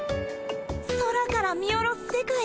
空から見下ろす世界